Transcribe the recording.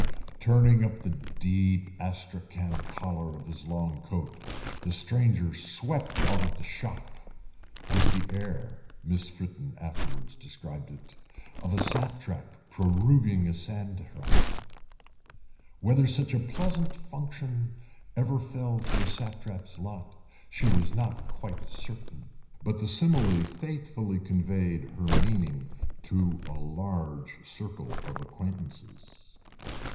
Turning up the deep astrachan collar of his long coat, the stranger swept out of the shop, with the air, Miss Fritten afterwards described it, of a Satrap proroguing a Sanhedrim. Whether such a pleasant function ever fell to a Satrap's lot she was not quite certain, but the simile faithfully conveyed her meaning to a large circle of acquaintances.